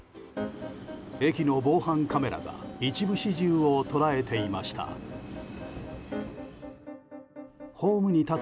駅の防犯カメラが一部始終を捉えていました。